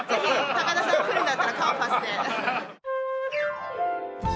高田さん来るんだったら顔パスで。